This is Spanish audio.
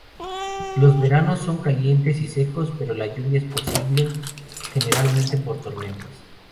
Los veranos son calientes y secos, pero la lluvia es posible, generalmente por tormentas.